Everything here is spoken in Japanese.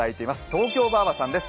東京ばあばさんです。